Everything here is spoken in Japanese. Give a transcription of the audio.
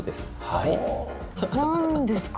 はい。